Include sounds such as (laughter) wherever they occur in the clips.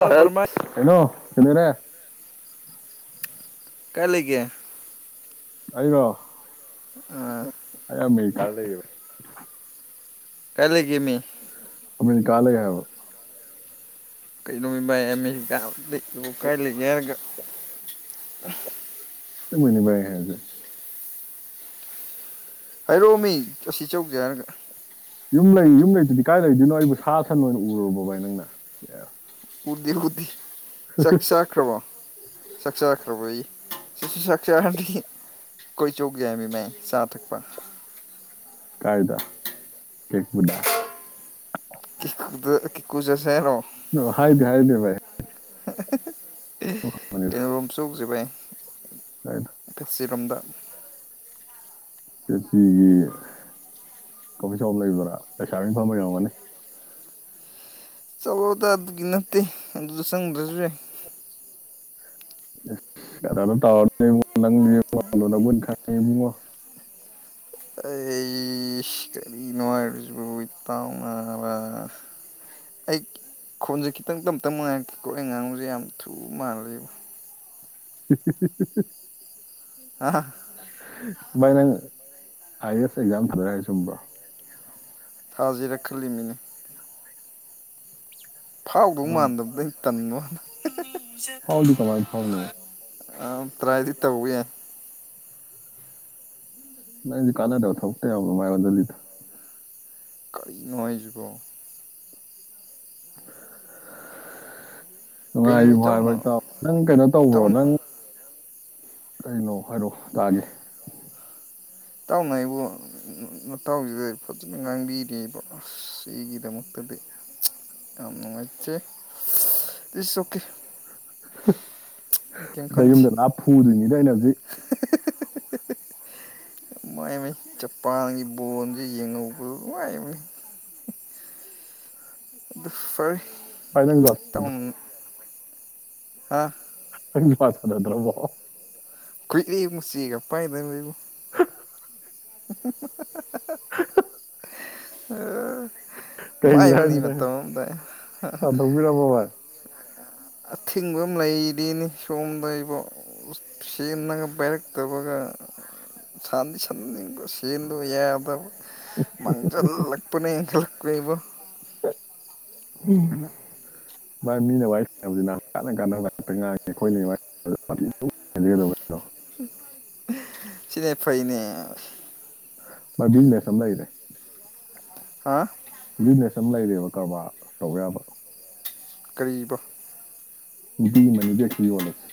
Hello ꯄ꯭ꯔꯃꯥꯁ ꯀꯩꯅꯣ ꯀꯩꯗꯧꯔꯦ ꯀꯥꯏ ꯂꯩꯒꯦ ꯑꯩꯔꯣ ꯑ ꯂꯩ ꯀꯣ ꯂꯩ ꯌꯨ ꯀꯥꯏ ꯂꯩꯒꯦꯃꯤ ꯀꯥ ꯂꯩ ꯍꯥꯏꯕ ꯀꯩꯗꯧꯃꯤ ꯚꯀꯥ ꯂꯩ ꯀꯥꯏ ꯂꯩꯒꯦ ꯍꯥꯏꯔꯒ (inaudible) ꯑꯁꯥꯡꯕꯩꯅꯦ ꯕꯣꯏ ꯑꯩꯅ ꯍꯥꯏꯁꯦ ꯍꯥꯏꯔꯛꯑꯣꯃꯤ ꯑꯁꯤ ꯆꯧꯁꯦ ꯍꯥꯏꯔꯒ ꯌꯨꯝ ꯂꯩ ꯌꯨꯝ ꯂꯩꯇꯗꯤ ꯀꯥꯏ ꯂꯩꯗꯣꯏꯅꯣ ꯑꯩꯕꯨ ꯁꯥ ꯁꯟ ꯑꯣꯏꯅ ꯎꯔꯨꯔꯕ ꯚꯥꯏ ꯅꯪꯅ ꯁꯦꯁ ꯎꯗꯦ ꯎꯗꯦ ꯆꯥꯛ ꯆꯥꯈ꯭ꯔꯕꯣ ꯆꯥꯛ ꯆꯥꯈ꯭ꯔꯕꯣ ꯑꯩ ꯁ ꯁꯁꯥ ꯀꯣꯏ ꯆꯨꯞꯄ ꯃꯤ ꯃ ꯁꯥ ꯊꯛꯄ ꯀꯥꯏꯗ ꯀꯕꯨꯗꯥ ꯀꯤꯨꯗ ꯀꯤꯀꯨꯁꯁꯦꯅꯣ ꯑꯣ ꯍꯥꯏꯗꯦ ꯍꯥꯏꯥꯏꯗꯤꯦ ꯚꯥꯏ ꯍꯅꯤ ꯔ ꯔꯨꯝ ꯆꯣꯛꯖꯤꯥꯏ ꯑ ꯔꯝꯗꯥ ꯆꯦꯠꯆꯒꯤ ꯀꯣꯐꯤ ꯁꯣꯞ ꯂꯩꯕ꯭ꯔꯥ ꯄꯩꯁꯥꯕꯤ ꯏꯐꯝꯥꯔꯝꯒꯅꯤ ꯆꯠꯂꯣꯗ ꯑꯗꯨꯒꯤ ꯅꯠꯇꯦ ꯑꯗꯨꯗ ꯆꯪꯗ꯭ꯔꯁꯨ ꯌꯥꯏ ꯀꯗ ꯇꯔꯕꯨ ꯈꯉꯨꯡ ꯑꯩ ꯅꯔ ꯇ ꯑꯩ ꯈꯣꯟꯁꯦ ꯈꯤꯇꯪ ꯇꯞꯇꯞ ꯃꯉꯥꯏꯔꯛꯛꯇꯦꯀꯣ ꯑꯩ ꯉꯥꯡꯨꯁꯦ ꯌꯥꯝ ꯊꯨ ꯃꯥꯜꯂꯤꯕ (unintelligible) ꯑ (unintelligible) ꯚꯥꯏ ꯅꯪ ꯑꯥꯏ ꯑꯦ ꯑꯦꯁ ꯑꯦꯛꯖꯥꯝ ꯊꯥꯗꯔꯔ ꯆꯨꯝꯕ꯭ꯔꯣ ꯊꯥꯖꯤꯔ ꯈꯜꯂꯤ ꯃꯤꯅꯦ ꯐꯥꯎꯗꯧ ꯎꯝ ꯃꯥꯟꯗꯕꯗ ꯇꯟꯉ ꯍꯅ ꯐꯥꯎꯗꯤ ꯀꯃꯥꯏꯅ ꯐꯥꯎꯅꯤ ꯑ ꯇꯔꯥꯏꯗꯤ ꯇꯧ ꯌꯥ ꯅꯗꯤ ꯀꯥꯟꯅꯗ ꯊꯣꯛꯇ ꯌꯥꯝ ꯃꯥꯥꯏꯒꯗ ꯀꯔꯤꯅꯖꯕ (unintelligible) ꯀꯩꯅꯣ ꯅꯨꯡꯉꯥꯏꯔꯤꯕ ꯏꯇꯥꯎꯅ ꯍꯥꯏꯕ ꯇ ꯅꯪ ꯀꯩꯅꯣ ꯇꯧꯕ꯭ꯔꯣ ꯏꯇꯥꯎꯅ ꯅꯪ ꯀꯩꯅꯣ ꯍꯥꯏꯔꯣꯑꯣ ꯇꯥꯒꯦ ꯏꯇꯥꯎꯅ ꯑꯩꯕꯨꯇꯥꯎꯁꯤꯗ ꯐꯖꯅ ꯉꯥꯡꯕꯤꯔꯤꯕꯁ ꯁꯤꯒꯤꯗꯃꯛꯇꯗꯤ ꯌꯥꯝ ꯅꯨꯡꯉꯥꯏꯇꯦ ꯏꯠꯁ ꯑꯣꯀꯦ ꯑꯩ ꯀꯩꯝ (unintelligible) ꯗ ꯈꯟꯗꯦ ꯌꯨꯝꯗ ꯂꯥꯞ ꯐꯨꯗꯣꯏꯅꯤꯗ ꯑꯩꯅ ꯍꯧꯖꯤꯛ ꯃꯥꯏ ꯆꯄꯥꯟꯒꯤ ꯕꯣꯟꯁꯦ ꯌꯦꯡꯍꯧꯕ ꯃꯥꯏꯕꯅꯤ ꯑꯗꯨ ꯐꯔꯦ ꯐꯥꯏꯅ ꯑꯥ ꯐꯝ ꯄꯥꯁꯗꯗ꯭ꯔꯕ ꯀꯨꯏꯂꯤ ꯃꯨꯁꯤꯒ ꯄꯥꯏꯗꯅꯕꯨ (unintelligible) ꯁꯔ ꯑ ꯎꯝ ꯀꯩꯒꯤꯔꯖ ꯇ ꯊꯣꯛꯕꯤꯔꯄꯕꯥ ꯑꯊꯤꯡꯕ ꯑꯃ ꯂꯩꯔꯦꯅꯦ ꯁꯣꯝꯗ ꯑꯩꯕꫭ ꯁꯦꯝꯟꯅꯒ ꯄꯥꯏꯔꯛꯇꯕꯒ ꯁꯥꯟꯗꯤ ꯁꯟꯅꯤꯡ ꯁꯦꯟꯗ ꯌꯥꯗꯕ ꯃꯥꯡꯖꯜꯂꯛꯄꯅꯦ ꯏꯦꯟꯈꯠꯂꯛꯄꯅꯦꯕꯨ ꯎ ꯃꯥ ꯃꯤꯅ ꯋꯥꯔꯤ ꯁꯥꯟꯅ (unintelligible) ꯁꯤꯅꯦ ꯐꯩꯅꯦ ꯃꯗꯤꯜꯅꯁꯨ ꯑꯝ ꯂꯩꯔꯦ꯫ ꯍꯥ ꯕꯤꯖꯅꯦꯁ ꯑꯃ ꯂꯩꯔꯦꯕ ꯀꯔꯕꯥꯔ ꯇꯧ ꯌꯥꯕ꯫ ꯀꯔꯤꯕ꯫ ꯎꯗꯤꯒꯤ ꯃꯅꯤꯕꯦꯛꯁꯤ ꯌꯣꯜꯂꯁꯤ꯫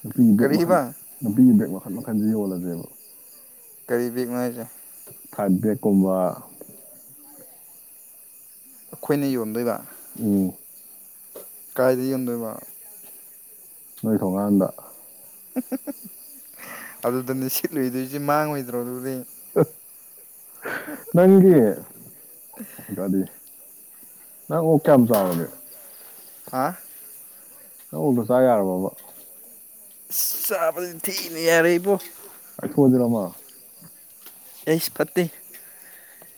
ꯅꯨꯄꯤꯒꯤ ꯕꯦꯛ ꯀꯔꯤꯕ ꯃꯈꯜ-ꯃꯈꯜ ꯅꯨꯄꯤꯒꯤ ꯕꯦꯛ ꯃꯈꯜ ꯃꯈꯜ ꯑꯗꯨ ꯌꯣꯜꯂꯖꯦꯕ꯫ ꯀꯔꯤ ꯕꯦꯛꯅꯣ ꯍꯥꯏꯁꯦ꯫ ꯁꯥꯏꯠ ꯕꯦꯛ ꯀꯨꯝꯕꯥ ꯑꯩꯈꯣꯏꯅ ꯌꯣꯟꯗꯣꯏꯕ꯫ ꯎꯝ ꯀꯥꯏꯗ ꯌꯣꯟꯗꯣꯏꯕ꯫ ꯅꯣꯏ ꯊꯣꯡꯒꯥꯟꯗ꯫ (unintelligible) ꯑꯗꯨꯗꯅꯦ ꯁꯤꯠꯂꯨꯏꯗꯣꯏꯁ ꯃꯥꯡꯉꯣꯏꯗ꯭ꯔꯣ ꯗꯨꯗꯤ꯫ ꯅꯪꯒꯤ ꯀꯔꯤ ꯅꯪ ꯑꯣꯛ ꯀꯌꯥꯝ ꯆꯥꯎꯔꯒꯦ꯫ ꯍꯥ ꯅꯪ ꯑꯣꯛꯗꫭ ꯆꯥ ꯌꯥꯔꯕꫭꯕ꯫ ꯆꯥꯕ ꯊꯤꯅ ꯌꯥꯔꯦ ꯏꯕꯣ꯫ ꯄꯨꯖꯔꯃ ꯑꯦꯁ ꯐꯠꯇꯦ꯫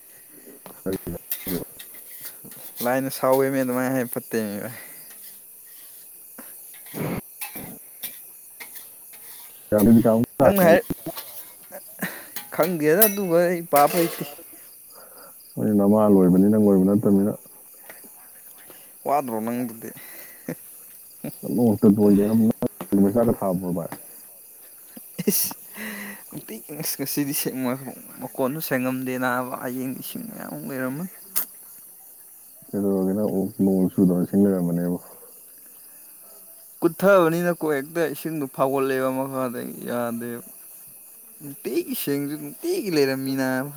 (unintelligible) ꯂꯥꯏꯅ ꯁꯥꯎꯃꯦꯃꯦ ꯑꯗꯨꯃꯥꯏ ꯍꯥꯏ ꯐꯠꯇꯦꯃꯦ ꯚꯥꯏ꯫ (inaudible) (unintelligible) ꯅꯪꯅ ꯅꯪ ꯍꯥꯏꯔꯛ ꯈꯪꯗꯦꯗ ꯑꯗꯨꯒ ꯑꯩ ꯄꯥꯕ ꯍꯩꯇꯦ꯫ ꯝꫭꯏꯁꯨ ꯅꯃꯥ ꯂꫭꯏꯔꯕꯅꯤꯅ (unintelligible) ꯅꯠꯇꯕꯅꯤꯅ꯫ ꯋꯥꯗ꯭ꯔꯣ ꯅꯪꯗꯨꯗꯤ꯫ (unintelligible) ꯏꯁ ꯅꯨꯡꯇꯤ ꯑꯁ ꯉꯁꯤꯗꯤ ꯁꯦꯡꯑꯝ ꯃꯀꯣꯟꯁꯨ ꯁꯦꯡꯉꯝꯗꯦ ꯅꯥꯕ ꯑꯌꯦꯡ ꯏꯁꯤꯡ ꯃꯌꯥꯝ ꯑꯃ ꯂꯩꯔꯝꯃ꯫ ꯀꯩꯗꯧꯔꯒꯦ ꯅꯪ ꯑꯣꯛ ꯅꯣꯡꯆꯨꯗ ꯁꯤꯡꯂꯩꯔꯝꯅꯤꯕꯣ꯫ ꯀꯨꯠꯊꯕꯅꯤꯅ ꯀꯣ ꯍꯦꯛꯇ ꯏꯁꯤꯡꯗ ꯐꯥꯎꯒꯠꯂꯦꯕ ꯃꯈꯥꯗ ꯌꯥꯗꯦꯕ꯫ ꯅꯨꯡꯇꯤꯒꯤ ꯁꯦꯡꯉꯖꯨ ꯅꯨꯡ ꯇꯤꯒꯤ ꯂꯩꯔꯝꯃꯤ ꯅꯥꯕ꯫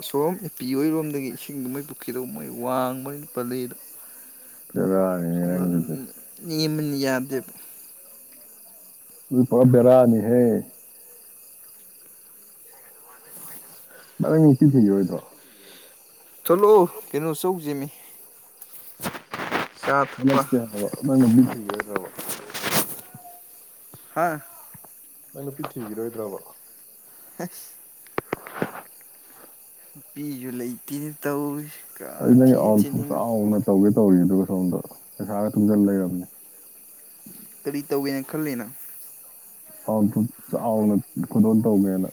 ꯑꯁꯣꯝ ꯏꯄꯤ ꯑꯣꯏꯔꯣꯝꯗꯒꯤ ꯏꯁꯤꯡꯗꯨꯃꯩ ꯄꯨꯈꯤꯗꫭ ꯃꯩ ꯋꯥꯡꯕꯅꯤ ꯄꯂꯩꯗ ꯕꯦꯔꯥꯅꯤꯅꯦ ꯁꯣꯝꯗ ꯅꯪꯗꯨꯗꯤ ꯅꯦꯝꯕꯅꯤꯅ ꯌꯥꯗꯦꯕ꯫ ꯑꯗꯨ ꯄꯨꯔꯥ ꯕꯦꯔꯥꯅꯤꯍꯦ꯫ ꯕꯥꯢ ꯅꯪ ꯅꯨꯄꯤ ꯊꯤꯒꯤꯔꯣꯢꯗ꯭ꯔꯣ꯫ ꯊꯣꯛꯂꯣꯑꯣ ꯀꯩꯅꯣ ꯆꯧꯖꯦꯃꯤ꯫ (unintelligible) (unintelligible) ꯍꯥꯥ ꯅꯪ ꯅꯨꯄꯤ ꯊꯤꯈꯤꯔꯣꯏꯗ꯭ꯔꯕ (unintelligible) (unintelligible) ꯅꯨꯄꯤꯁꯨ ꯂꯩꯇꯦꯅꯦ ꯇꯧ ꯑꯩ ꯅ ꯑꯥꯎꯥꯎꯅ ꯇꯧꯒꯦ ꯇꯧꯔꯤꯅ ꯗꯁꯒꯦ ꯊꯨ ꯆꯜꯗ ꯌꯥꯝꯅꯤ ꯀꯔꯤ ꯇꯧꯒꯦꯅ ꯈꯜꯂꯤꯅ ꯥꯎ ꯆꯥꯎꯅ ꯈꯨꯗꯣꯜ ꯇꯧꯒꯦꯅ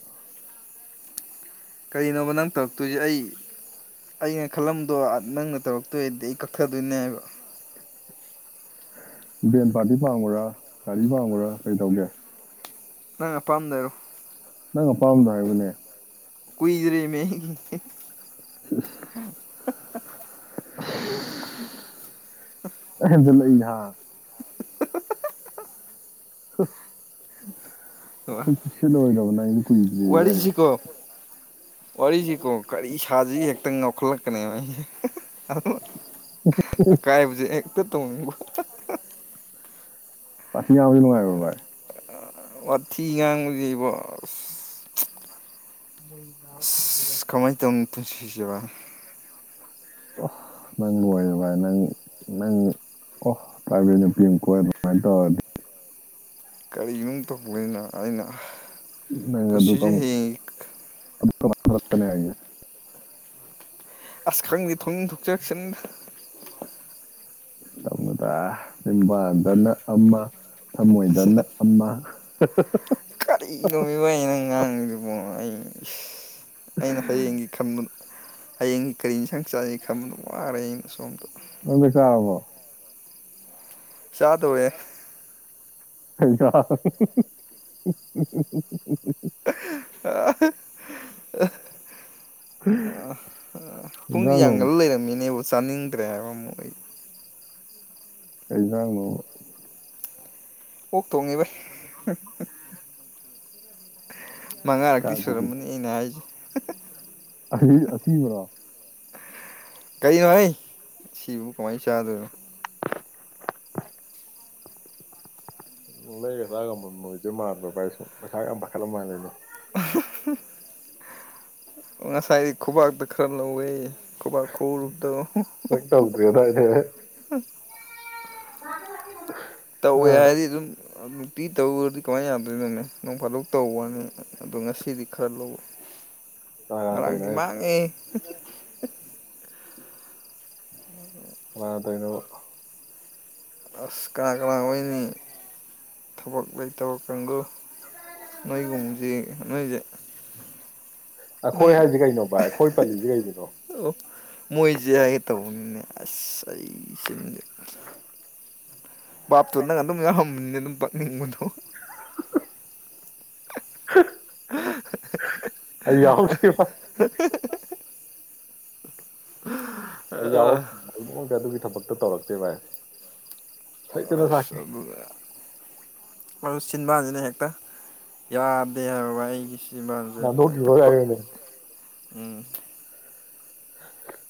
ꯀꯔꯤꯅꯣꯕ ꯅꯪ ꯇꯧꯔꯛꯇꯣꯏꯁꯦ ꯑꯩ ꯑꯩꯅ ꯈꯜꯂꯝꯗꯣ ꯅꯪꯅ ꯇꯧꯔꯛꯇꯣꯏꯗꯤ ꯑꯩ ꯀꯛꯊꯗꯣꯏꯅꯦ ꯍꯥꯏꯕ ꯚꯦꯟ ꯄꯥꯔꯇꯤ ꯄꯥꯕ꯭ꯔꯥ ꯒꯥꯔꯤ ꯄꯥꯕ꯭ꯔꯥ ꯀꯩ ꯇꯧꯒꯦ ꯅꯪ ꯄꯝꯗꯦꯔꯣ ꯅꯪ ꯑꯄꯥꯝꯕꯗꯣ ꯍꯥꯏꯕꯅꯦ ꯀꯨꯏꯖꯔꯦ ꯃ ꯍꯝ ꯑꯦꯗ ꯂꯩꯍ ꯁꯤꯗ ꯑꯣꯏꯗꯕꯅꯗꯤ ꯋꯥꯔꯤꯁꯤꯀꯣ ꯋꯥꯔꯤꯁꯤꯀꯣ ꯀꯔꯤ ꯁꯥꯁꯤ ꯍꯦꯛꯇꯪ ꯉꯣꯛꯈꯠꯂꯛ ꯆꯀꯅꯦ ꯑꯀꯥꯏꯕꯁꯦ ꯍꯦꯛꯇ ꯇꯧꯅꯤꯡꯕ ꯑ ꯊꯒꯤ ꯅꯨꯡꯉꯥꯏ ꯑꯣꯏꯚꯥꯏ ꯑꯣ ꯐꯤꯒꯥꯡꯕ ꯌꯩꯕ (unintelligible) ꯃꯣꯏꯖ ꯀꯃꯥꯏ ꯇꯝ ꯁꯤꯖ ꯑꯣ ꯅꯪ ꯂꯣꯏꯔꯦ ꯚꯥꯏ ꯅꯪ ꯅꯪ ꯑꯣ ꯄꯥꯏꯕꯤ ꯅꯨꯄꯤ ꯑꯃ ꯀꯣꯏ ꯑꯗꯨꯃꯥꯏꯅ ꯇꯧꯔꯗꯤ ꯀꯔꯤꯒꯤꯅꯣ ꯇꯧꯕꯅꯤꯅ ꯑꯩꯅ ꯄꯨꯁꯤꯦ ꯍꯦꯛ ꯃꯔꯛꯇꯅꯦ ꯍꯥꯏꯏꯌꯦ ꯑꯁ ꯈꯪꯗꯤꯦ ꯊꯣꯡꯅꯤꯡ ꯊꯣꯛꯆꯔꯛꯁꯤꯗ ꯃꯗ ꯅꯤꯡꯝꯕ ꯅꯅ ꯑꯃ ꯊꯃꯣꯏꯗꯅ ꯑꯃ (unintelligible) ꯀꯔꯤ ꯂꯣꯤꯕꯏ ꯅꯪꯥꯡꯒꯤꯕꯣ ꯑꯩ ꯎ ꯑꯩꯅ ꯍꯌꯦꯡꯒꯤ ꯈꯟꯕ ꯍꯌꯦꯡ ꯀꯔꯤ ꯏꯟꯁꯥꯡ ꯆꯥꯏꯌꯦ ꯈꯟꯕꯗ ꯋꯥꯔꯦ ꯑꯩ ꯁꯣꯝꯗ ꯅꯪꯗꯤ ꯀꯥꯔꯕꯣ ꯆꯥꯗꯣꯔꯦ ꯀꯩ ꯍꯦꯟꯖꯥꯡ ꯍ ꯍ ꯍ ꯍꯤ ꯍꯤ ꯍꯤ ꯍꯤ ꯄꯨꯡꯁꯤ ꯌꯥꯝ ꯉꯜ ꯂꯩꯔꯝꯃꯤꯅꯦꯕꯣ ꯆꯥꯅꯤꯡꯗ꯭ꯔꯦ ꯍꯥꯏꯕ ꯑꯃꯨꯛ ꯑꯩ ꯀꯩꯖꯥꯡꯅꯣꯕ ꯑꯣꯛ ꯊꯣꯡꯉꯦ ꯚꯥꯏ ꯃꯉꯥꯔꯛꯇꯤ ꯁꯨꯔꯝꯃꯅꯤ ꯑꯩꯅ ꯍꯥꯏꯁꯤ ꯍ ꯍ ꯑꯁꯤꯗꯤ ꯑꯁꯤꯕꯔꯣ ꯀꯩꯅꯣꯍꯩ ꯑꯁꯤꯕꯕꯨ ꯀꯃꯥꯏꯅ ꯆꯥꯗꯣꯏꯅꯣ ꯂꯩꯔ ꯆꯥ ꯉꯃꯝꯃꯣꯏꯗꯣꯏ ꯃꯥꯟꯕ꯭ꯔꯣ ꯕꯥꯏ ꯁꯨꯝ ꯄꯩꯁꯥꯒ ꯌꯥꯝ ꯄꯥꯏꯈꯠꯂꯕ ꯃꯥꯜꯂꯦꯅꯦ ꯉꯁꯥꯏꯗꯤ ꯈꯨꯕꯥꯛꯇ ꯈꯔ ꯂꯧꯋꯦ ꯈꯨꯕꯥꯛ ꯈꯨꯔꯨꯞꯗꯣ ꯍꯝ ꯍꯣꯏ ꯍꯝ ꯇꯧꯗ꯭ꯔꯦ ꯍꯝ ꯑꯦ ꯂꯥꯛꯀꯦ ꯂꯥꯛꯀꯦ ꯃꯃꯥ ꯇꯧꯋꯦ ꯍꯥꯏꯗꯤ ꯑꯗꯨꯝ ꯅꯨꯡꯇꯤ ꯇꯧꯔꯗꯤ ꯀꯃꯥꯏꯅ ꯌꯥꯗꯣꯏꯅꯣꯅꯦ ꯅꯣꯡ ꯐꯥꯗꯣꯛ ꯇꯧꯕꯋꯥꯅꯤ ꯑꯗꯣ ꯉꯁꯤꯗꯤ ꯈꯔ ꯂꯧ ꯀꯅꯥ ꯇꯧꯔꯤꯅꯣ ꯉꯔꯥꯡꯗꯤ ꯍꯥꯏꯁꯦ ꯃꯥꯡꯉꯦꯍꯦ ꯀꯅꯥꯒ ꯇꯧꯔꯤꯅꯣꯕ ꯁꯥ ꯀꯅꯥ-ꯀꯅꯥ ꯑꯣꯏꯅꯤ ꯊꯕꯛ ꯂꯩꯇꯕ ꯀꯥꯡꯒꯨ ꯅꯣꯏꯒꯨꯝꯕꯖꯤ ꯅꯣꯏꯁꯦ ꯑꯩꯈꯣꯏ ꯅꯣꯏ ꯍꯥꯏꯁꯤ ꯀꯩꯅꯣ ꯕꯥꯏ ꯑꯩꯈꯣꯏ ꯄꯜꯂꯤꯁꯤ ꯀꯩꯒꯤꯅꯣ ꯑꯣ ꯃꯣꯏꯁꯦ ꯍꯥꯏꯒꯦ ꯇꯧꯕꯅꯤꯅꯦ ꯑꯁ ꯑꯩꯒꯤ ꯆꯤꯟꯁꯤ ꯕꯥꯞ ꯇꯨ ꯅꯪ ꯑꯗꯨꯝ ꯌꯥꯎꯔꯝ ꯃꯤꯡꯗꯤ ꯑꯗꯨ ꯄꯛꯅꯤꯡꯕꯗꯣ ꯍꯤꯛ ꯍ ꯑꯩ ꯌꯥꯎꯍꯧꯗꯦ ꯑꯩ ꯑ ꯌꯥꯎꯔꯛꯇꯦ ꯑꯩ ꯅꯣꯡꯃꯇ ꯑꯗꯨꯒꯤ ꯊꯕꯛꯇꯨ ꯇꯧꯔꯛꯇꯦ ꯚꯥꯏ ꯍ ꯁꯩꯇꯅ ꯑꯁ ꯁꯥꯈꯤ ꯑꯗꯨꯅ ꯑꯗꯨ ꯆꯤꯟꯕꯥꯟꯁꯤꯅ ꯍꯦꯛꯇ ꯌꯥꯗꯦ ꯍꯥꯏꯕ ꯚꯥꯏ ꯑꯩꯒꯤꯁꯤ ꯆꯤꯟꯕꯥꯟꯁꯦ ꯅꯥꯟꯊꯣꯛꯈꯤꯕ ꯍꯩꯇꯞꯄ ꯀꯥꯏꯅꯅꯦ ꯎꯨꯝ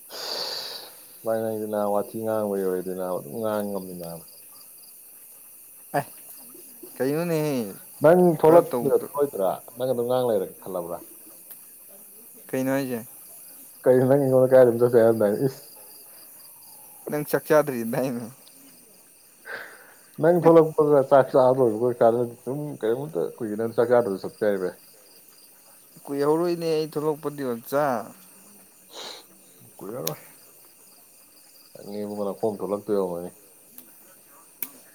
ꯍꯁ ꯚꯥꯏ ꯅꯪꯗꯤ ꯅꯥꯕ ꯋꯥꯊꯤ ꯉꯥꯡꯕꯩ ꯑꯣꯏꯔꯗꯤ ꯅꯥꯕ ꯑꯗꯨꯝ ꯉꯥꯡ ꯉꯝꯃꯤ ꯅꯥꯕ ꯀꯩꯅꯨꯅꯦꯍꯦ ꯅꯪ ꯊꯣꯛꯂꯛꯇꯨꯏꯔꯥ ꯊꯣꯛꯂꯛꯑꯣꯏꯗꯣꯏꯔꯥ ꯃꯔꯝ ꯀꯗꯨꯝ ꯉꯥꯡꯂ ꯂꯩꯔꯒꯦ ꯈꯜꯂꯕ꯭ꯔꯥ ꯀꯩꯅꯣ ꯍꯥꯏꯁꯦ ꯀꯩ ꯅꯪ ꯑꯩꯉꯣꯟꯗ ꯀꯔꯥꯏꯗꯅꯣꯝ ꯆꯠꯁꯤ ꯍꯥꯏꯔꯝꯗꯥꯏ ꯏꯁ ꯅꯪ ꯆꯥꯛ ꯆꯥꯗ꯭ꯔꯤꯑꯦꯗꯥꯏꯅꯦ ꯅꯪ ꯊꯂꯛꯄ ꯆꯥꯛ ꯆꯥ ꯀ ꯁꯨꯝ ꯀꯔꯤꯃꯇ ꯀꯨꯏꯒꯤ ꯅꯪ ꯆꯥꯛ ꯆꯥꯔꯁꯨ ꯆꯄꯦ ꯍꯥꯏꯕ ꯀꯨꯏꯍꯧꯔꯛꯏꯅꯦ ꯑꯩ ꯊꯣꯛꯂꯛꯄꯗꯤ ꯑꯣꯆꯥ ꯌꯥꯔꯣꯏꯅꯦꯕꯨ ꯉꯅꯥꯈꯣꯝ ꯊꯣꯛꯂꯛꯇꯣꯏꯅꯤ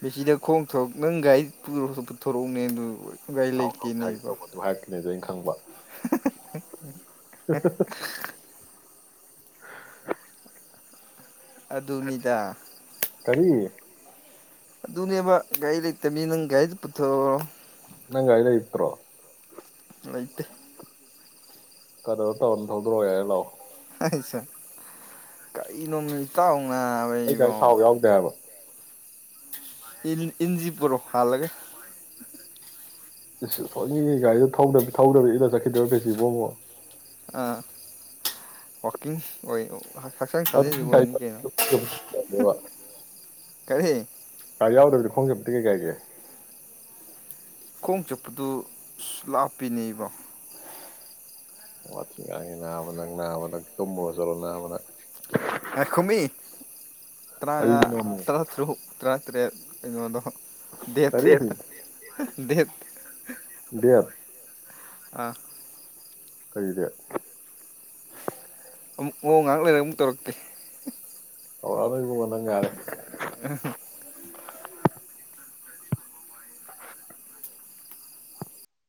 ꯃꯦꯆꯤꯗ ꯈꯣꯡ ꯊ ꯅꯪ ꯒꯥꯥꯏ ꯄꯨꯊꯣꯔꯛꯎꯅꯦ ꯑꯗꯨ ꯀꯥꯏ ꯊꯥꯎ ꯂꯩ ꯊꯥꯎꯒꯤ ꯍꯥꯏꯒꯦ ꯀꯅꯦꯕꯣ ꯇꯧꯕ ꯑꯗꯨ ꯍꯥꯏꯔꯛꯇ꯭ꯔꯤꯉꯩꯗ ꯑꯩꯅ ꯈꯪꯕ ꯑꯗꯨꯅꯤꯗꯥ ꯀꯔꯤ ꯑꯗꯨꯅꯤꯕ ꯥꯏ ꯂ ꯏꯇ ꯃꯤ ꯅꯪ ꯌꯥꯥꯏ ꯄꯨꯊ ꯅꯪ ꯀꯥꯏꯂ ꯏꯠꯇ꯭ꯔꯣ ꯂꯩꯇ ꯀꯗ ꯊꯔꯅ ꯊꯗꯔꯣ ꯂꯑꯣ ꯑꯁ ꯏꯅꯣꯃꯤ ꯇ ꯑꯩ ꯀꯔꯤ ꯊꯥꯎ ꯌꯥꯎꯗꯦꯕ ꯏꯟꯖꯤ ꯄ ꯔꯣ ꯍꯥꯥ ꯂꯒꯦ ꯏꯁ ꯁꯒꯤ ꯒꯥꯔꯤꯗ ꯊꯧꯗꯅꯕ ꯏꯅ ꯆꯠꯈꯤꯗꯔ ꯀꯔꯤꯁꯤꯕꯣꯃꯣ ꯑꯥ ꯋꯥꯀꯤꯡ ꯑꯣꯏ ꯍꯛꯆꯥꯡ ꯁꯥꯖꯦꯜꯁꯨ ꯑꯣꯏꯅꯤ ꯀꯩꯅꯣ ꯑꯗꯨ ꯀꯔꯤ ꯌꯥꯎꯗ꯭ꯔꯕꯗꯤ ꯈꯣꯡꯖꯕꯗꯤ ꯀꯩ ꯀꯥꯏ ꯀꯦ ꯈꯣꯡ ꯆꯠꯄꯗꯨ ꯁ ꯂꯥꯞꯄꯤꯅꯦꯕ ꯑꯣ ꯊꯦꯣ ꯃ ꯆꯂꯣꯅ ꯉꯈꯨꯝꯃꯤ ꯇꯔꯥꯉꯥ ꯀꯔꯤꯒꯤꯅꯣꯃꯤ ꯇꯔꯥꯇꯔꯨꯛ ꯇꯔꯥꯇꯔꯦꯠ ꯑꯩꯉꯣꯟꯗ ꯗꯦꯠ ꯀꯔꯤ ꯗꯦꯠ ꯗꯦꯠ ꯑ ꯀꯩꯗ ꯑꯃꯨꯛ ꯃꯑꯣꯡ ꯉꯥꯏꯍꯥꯛ ꯂꯩꯔꯒ ꯑꯃꯨꯛ ꯇꯧꯔꯛꯇꯦ ꯑ ꯀꯕꯗꯉꯥꯏꯔꯦ